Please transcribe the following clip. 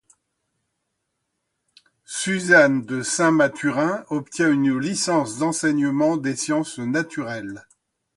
Suzanne de Saint-Mathurin obtient une licence d'enseignement des sciences naturelles.